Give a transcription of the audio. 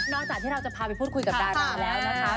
จากที่เราจะพาไปพูดคุยกับดาราแล้วนะคะ